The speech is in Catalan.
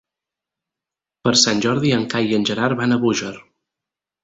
Per Sant Jordi en Cai i en Gerard van a Búger.